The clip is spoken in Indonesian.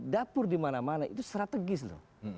dapur dimana mana itu strategis loh